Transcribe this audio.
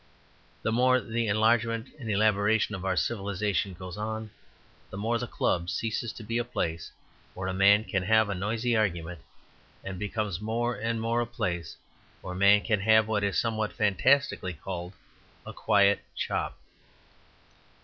The more the enlargement and elaboration of our civilization goes on the more the club ceases to be a place where a man can have a noisy argument, and becomes more and more a place where a man can have what is somewhat fantastically called a quiet chop.